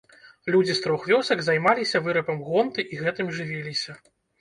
Людзі з трох вёсак займаліся вырабам гонты і гэтым жывіліся.